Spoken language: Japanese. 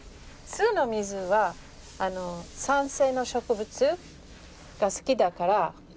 酢の水は酸性の植物が好きだから。